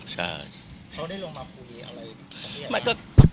เขาได้ลงมาคุยอะไรกันเนี่ย